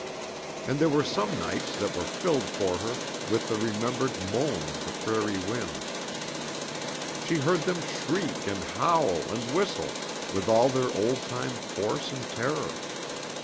And there were some nights that were filled for her with the remembered moan of the prairie winds. She heard them shriek and howl and whistle with all their old time force and terror.